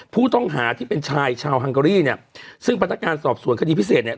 ผู้ต้องหาที่เป็นชายชาวฮังเกอรี่เนี่ยซึ่งพนักงานสอบสวนคดีพิเศษเนี่ย